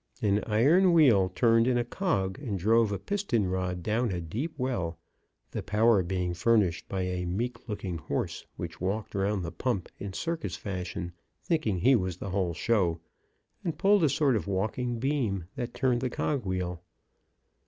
An iron wheel turned in a cog and drove a piston rod down a deep well, the power being furnished by a meek looking horse which walked round the pump in circus fashion, thinking he was the whole show, and pulled a sort of walking beam that turned the cog wheel.